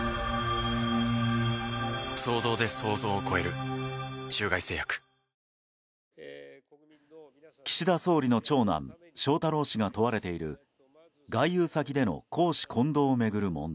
糖質ゼロ岸田総理の長男・翔太郎氏が問われている外遊先での公私混同を巡る問題。